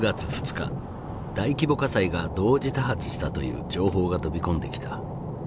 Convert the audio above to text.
日大規模火災が同時多発したという情報が飛び込んできた。